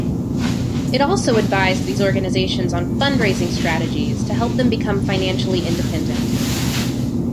It also advised these organizations on fundraising strategies to help them become financially independent.